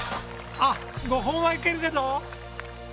あっ５本はいけるけど？